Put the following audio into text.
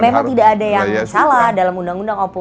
memang tidak ada yang salah dalam undang undang oppo